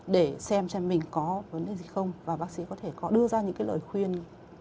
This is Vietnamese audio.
để xem xem mình có vấn đề gì không và bác sĩ có thể có đưa ra những cái lời khuyên